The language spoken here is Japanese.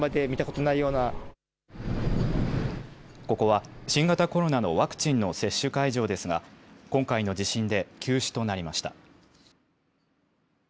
ここは新型コロナのワクチンの接種会場ですが今回の地震で休止となりました。